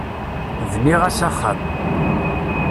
Bniɣ-as axxam.